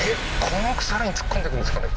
この奥さらに突っ込んでくんですかね？